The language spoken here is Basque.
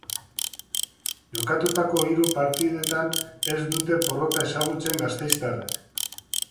Jokatutako hiru partidetan ez dute porrota ezagutzen gasteiztarrek.